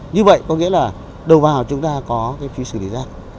như vậy có nghĩa là đầu vào chúng ta có cái phí xử lý rác